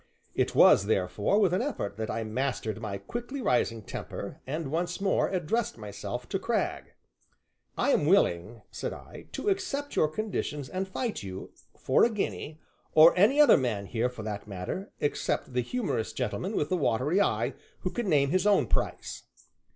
It was, therefore, with an effort that I mastered my quickly rising temper, and once more addressed myself to Cragg. "I am willing," said I, "to accept your conditions and fight you for a guinea or any other man here for that matter, except the humorous gentleman with the watery eye, who can name his own price."